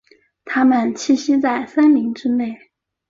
它们栖息在森林之内。